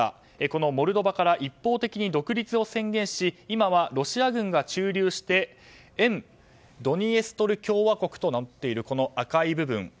このモルドバから一方的に独立を宣言して今はロシア軍が駐留して沿ドニエストル共和国と名乗っている、この赤い部分。